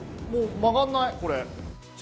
曲がらない、これ。